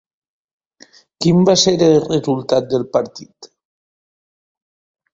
Quin va ser el resultat del partit?